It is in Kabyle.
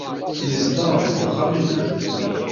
Yezdeɣ deg wexxam-inna.